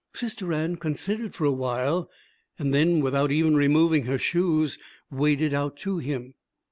Sister Anne considered for a while and then without even removing her shoes, waded out to him.